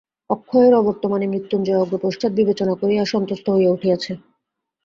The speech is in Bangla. অক্ষয়ের অবর্তমানে মৃত্যুঞ্জয় অগ্রপশ্চাৎ বিবেচনা করিয়া সন্ত্রস্ত হইয়া উঠিয়াছে।